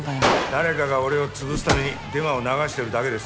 誰かが俺を潰すためにデマを流してるだけです。